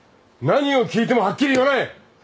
何を聞いてもはっきり言わない。